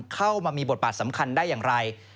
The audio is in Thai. เข้ามามีบทบาทสำคัญได้อย่างไร